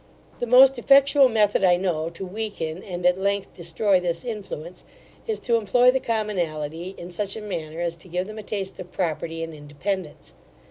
The most effectual method I know to weaken, and at length destroy this influence, is to employ the commonalty in such a manner as to give them a taste of property and independence.